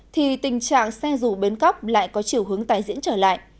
thì tình trạng xe rủ bến cóc lại có chiều hướng tài diễn trở lại